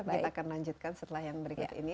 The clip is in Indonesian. kita akan lanjutkan setelah yang berikut ini